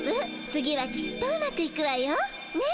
次はきっとうまくいくわよ。ね？